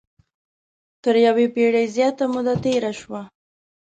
تر یوې پېړۍ زیاته موده تېره شوه.